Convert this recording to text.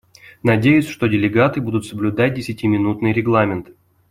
Надеюсь, что делегаты будут соблюдать десятиминутный регламент.